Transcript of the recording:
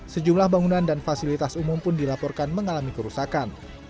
sejumlah bangunan dan fasilitas umum pun dilaporkan mengalami kerusakan